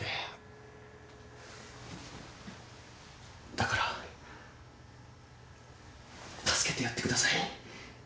だから助けてやってください。